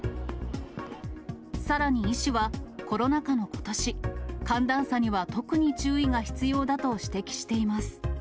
さらに医師は、コロナ禍のことし、寒暖差には特に注意が必要だと指摘しています。